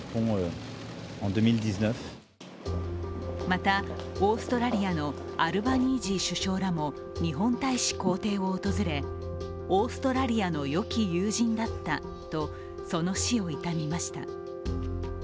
またオーストラリアのアルバニージー首相らも日本大使公邸を訪れ、オーストラリアのよき友人だったとその死を悼みました。